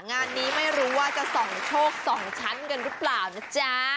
งานนี้ไม่รู้ว่าจะส่องโชค๒ชั้นกันหรือเปล่านะจ๊ะ